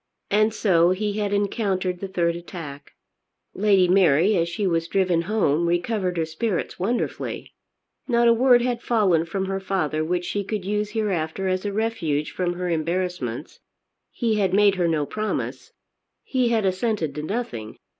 And so he had encountered the third attack. Lady Mary, as she was driven home, recovered her spirits wonderfully. Not a word had fallen from her father which she could use hereafter as a refuge from her embarrassments. He had made her no promise. He had assented to nothing.